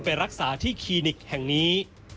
แม่จะมาเรียกร้องอะไร